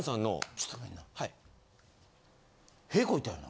ちょっとごめんな。